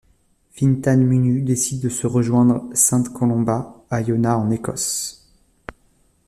Fintan Munnu décide de se rejoindre saint Colomba à Iona en Écosse.